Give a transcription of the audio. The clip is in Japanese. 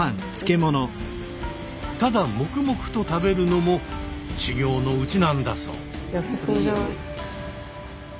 ただ黙々と食べるのも修行のうちなんだそう。